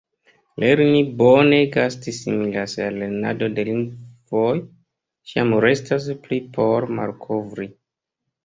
Lerni bone gasti similas al la lernado de lingvoj; ĉiam restas pli por malkovri.